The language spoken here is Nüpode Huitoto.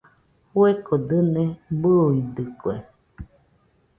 Fueko dɨne bɨidɨkue.